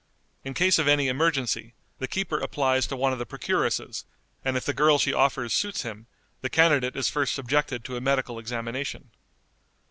In case of any emergency, the keeper applies to one of the procuresses, and if the girl she offers suits him, the candidate is first subjected to a medical examination.